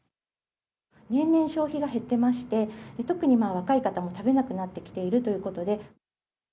年々、消費が減ってまして、特に若い方は食べなくなってきているということで。